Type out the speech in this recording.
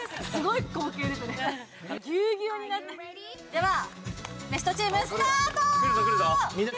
ではＷＥＳＴチームスタート！